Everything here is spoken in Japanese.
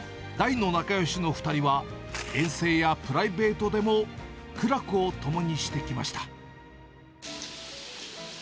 大の仲よしの２人は、遠征やプライベートでも苦楽を共にしてきました。